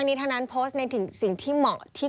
อันนี้เท่านั้นโพสต์ในสิ่งที่เหมาะที่